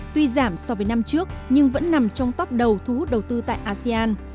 tuy giảm so với năm trước nhưng vẫn nằm trong tóp đầu thu hút đầu tư tại asean